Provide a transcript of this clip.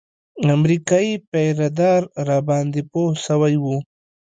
امريکايي پيره دار راباندې پوه سوى و.